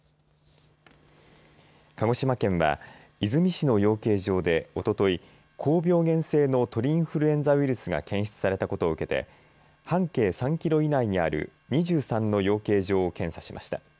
鹿児島県は出水市の養鶏場でおととい高病原性の鳥インフルエンザウイルスが検出されたことを受けて半径３キロ以内にある２３の養鶏場を検査しました。